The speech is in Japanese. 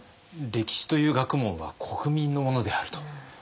歴史という学問は国民のものであると。